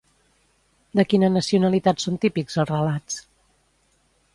De quina nacionalitat són típics els relats?